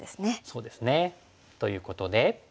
そうですね。ということで。